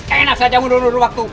enak saja mudah mudahan waktu